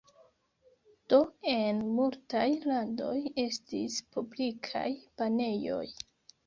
Do en multaj landoj estis publikaj banejoj.